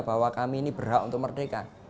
bahwa kami ini berhak untuk merdeka